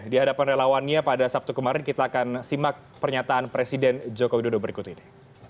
di hadapan relawannya pada sabtu kemarin kita akan simak pernyataan presiden joko widodo berikut ini